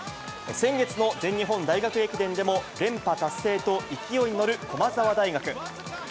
先月の全日本大学駅伝でも連覇達成と勢いに乗る駒澤大学。